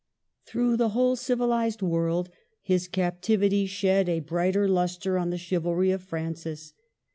Through the whole civilized world his cap tivity shed a brighter lustre on the chivalry of Francis.